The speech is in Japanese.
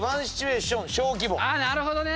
なるほどね！